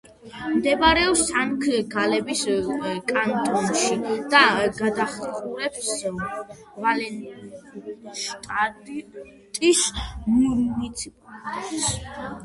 მდებარეობს სანქტ-გალენის კანტონში და გადაჰყურებს ვალენშტადტის მუნიციპალიტეტს.